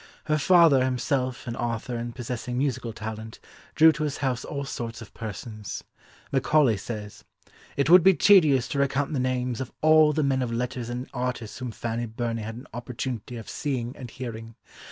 Her father, himself an author and possessing musical talent, drew to his house all sorts of persons. Macaulay says, "It would be tedious to recount the names of all the men of letters and artists whom Fanny Burney had an opportunity of seeing and hearing.